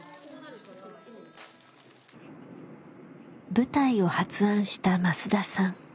舞台を発案した増田さん。